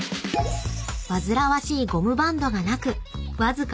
［煩わしいゴムバンドがなくわずか］